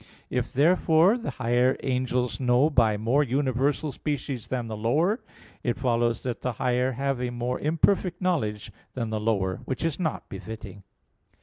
If, therefore, the higher angels know by more universal species than the lower, it follows that the higher have a more imperfect knowledge than the lower; which is not befitting.